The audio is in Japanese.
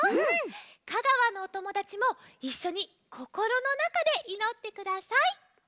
香川のおともだちもいっしょにこころのなかでいのってください。